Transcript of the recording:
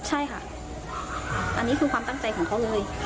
ใช่ค่ะอันนี้คือความตั้งใจของเขาเลย